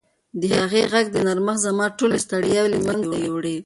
د هغې د غږ نرمښت زما ټولې ستړیاوې له منځه یووړې.